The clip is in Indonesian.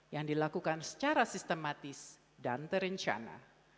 yang dilakukan secara sistematis dan terencana